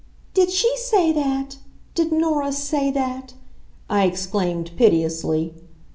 "Did she say that? Did Nora say that?" I exclaimed piteously.